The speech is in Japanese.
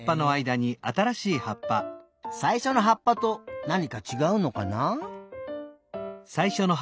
さいしょのはっぱとなにかちがうのかな？